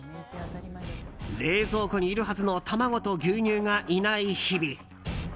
冷蔵庫にいるはずの卵と牛乳がいない日々。